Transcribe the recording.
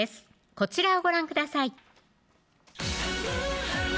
こちらをご覧ください